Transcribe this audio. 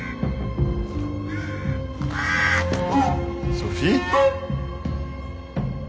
ソフィー？